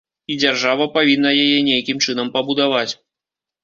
І дзяржава павінна яе нейкім чынам пабудаваць.